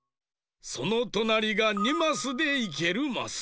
そのとなりが２マスでいけるマス。